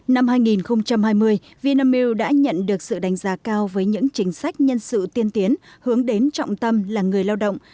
năm hai nghìn hai mươi vinamilk đã nhận được sự đánh giá cao với những chính sách nhân sự tiên tiến hướng đến trọng tâm là người lao động